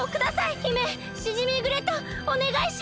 姫シジミーグレイトおねがいします！